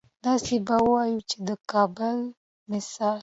داسې به اووايو چې د ګابا مثال